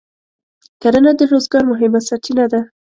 کرنه د روزګار مهمه سرچینه ده.